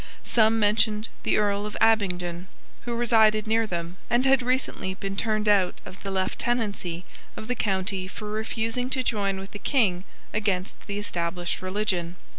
Some mentioned the Earl of Abingdon, who resided near them, and had recently been turned out of the lieutenancy of the county for refusing to join with the King against the established religion.